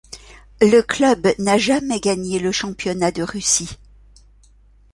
Le club n'a jamais gagné le championnat de Russie.